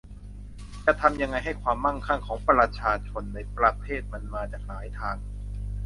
จะทำยังไงให้ความมั่งคั่งของประชาชนในประเทศมันมาจากหลายทาง